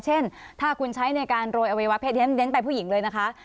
เช่นถ้าคุณใช้ในการโรยอวัยวะเพศเน้นไปผู้หญิงเลยนะคะ